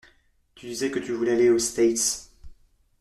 Tu disais que tu voulais aller aux States.